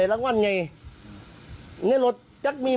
ขอลองกันออกจากพื้นที่พร้อมไปซะ